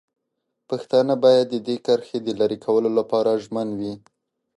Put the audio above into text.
پښتانه باید د دې کرښې د لرې کولو لپاره ژمن وي.